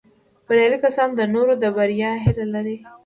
بریالي کسان د نورو د بریا هیله لري